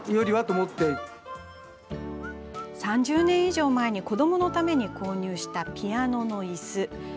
３０年以上前に子どものために購入したピアノのイス。